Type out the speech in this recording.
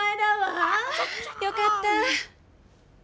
よかった！